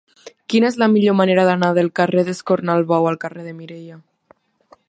Quina és la millor manera d'anar del carrer d'Escornalbou al carrer de Mireia?